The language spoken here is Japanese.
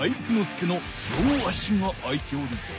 介の両足が空いておるぞ。